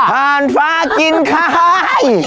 ห่านฟากินขาย